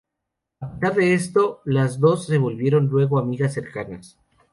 A pesar de esto, las dos se volvieron luego amigas cercanas.